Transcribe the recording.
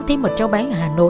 để buồn em